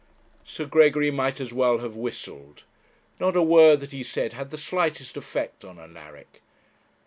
Sir Gregory might as well have whistled. Not a word that he said had the slightest effect on Alaric.